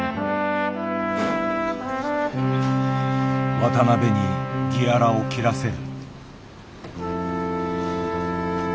渡辺にギアラを切らせる。